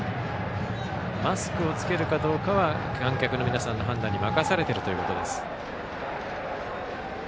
マスクを着けるかどうかは観客の皆さんの判断に任されているということです。